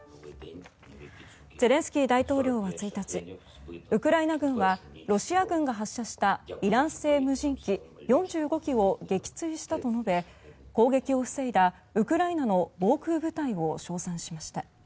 ゼレンスキー大統領は１日ウクライナ軍はロシア軍が発射したイラン製無人機４５機を撃墜したと述べ攻撃を防いだウクライナの防空部隊を称賛しました。